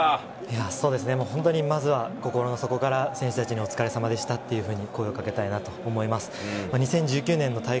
本当にまずは心の底から選手たちにお疲れさまでしたというふうに声をかけたいと思います。